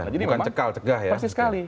jadi memang persis sekali